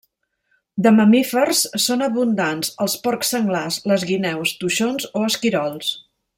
De mamífers són abundants els porcs senglars, les guineus, toixons o esquirols.